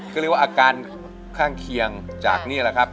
ก็เรียกว่าอาการข้างเคียงจากนี่แหละครับ